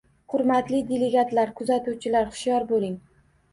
Hurmatli delegatlar, kuzatuvchilar, hushyor bo'ling!